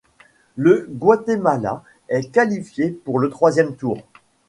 Le Guatemala est qualifié pour le troisième tour.